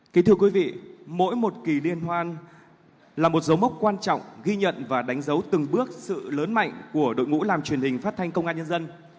kính thưa quý vị mỗi một kỳ liên hoan là một dấu mốc quan trọng ghi nhận và đánh dấu từng bước sự lớn mạnh của đội ngũ làm truyền hình phát thanh công an nhân dân